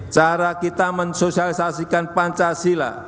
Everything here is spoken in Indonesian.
cara kita mensosialisasikan pancasila